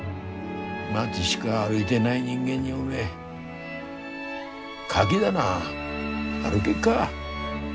町しか歩いでない人間におめえカキ棚歩げっか。